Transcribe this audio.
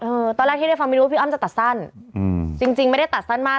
ตอนแรกที่ได้ฟังไม่รู้ว่าพี่อ้ำจะตัดสั้นอืมจริงจริงไม่ได้ตัดสั้นมาก